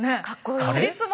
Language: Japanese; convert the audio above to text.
カリスマ。